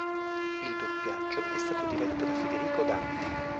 Il doppiaggio è stato diretto da Federico Danti.